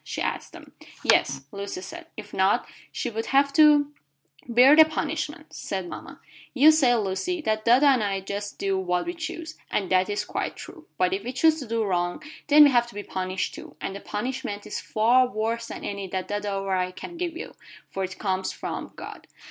she asked them. "Yes," said Lucy. "If not, she would have to " "Bear the punishment," said mama. "You say, Lucy, that dada and I do just what we choose, and that is quite true. But if we choose to do wrong, then we have to be punished too, and the punishment is far worse than any that dada or I can give you, for it comes from God.